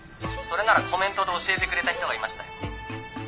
それならコメントで教えてくれた人がいましたよ。